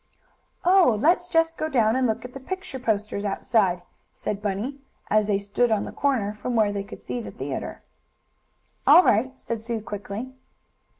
"Oh, let's just go down and look at the picture posters outside," said Bunny, as they stood on the corner, from where they could see the theatre. "All right," said Sue quickly.